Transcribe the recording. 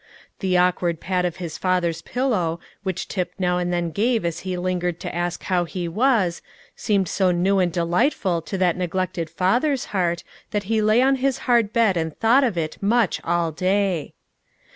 The awkward pat of his father's pillow, which Tip now and then gave as he lingered to ask how he was, seemed so new and delightful to that neglected father's heart, that he lay on his hard bed and thought of it much all day.